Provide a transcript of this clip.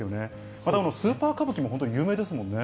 またスーパー歌舞伎も本当に有名ですもんね。